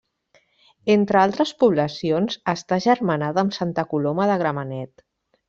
Entre altres poblacions, està agermanada amb Santa Coloma de Gramenet.